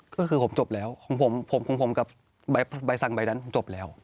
ก็คือผมจบแล้วผมกับใบสั่งใบดันจบแล้ว